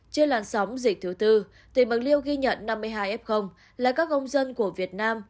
trên làn sóng dịch thứ tư tỉnh bạc liêu ghi nhận năm mươi hai f là các công dân của việt nam